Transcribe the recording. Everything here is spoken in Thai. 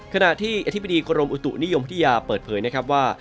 ขณะที่อธิบดีกรมอุตุนิยมวิทยาเปิดเผยนะครับว่า